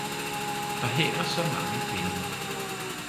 Der hænger så mange billeder